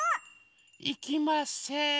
いきません。